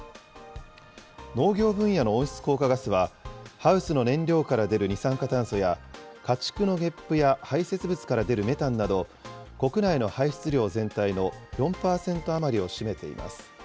農業分野の温室効果ガスは、ハウスの燃料から出る二酸化炭素や、家畜のげっぷや排せつ物から出るメタンなど、国内の排出量全体の４％余りを占めています。